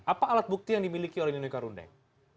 apa alat bukti yang dimiliki oleh nino karundeng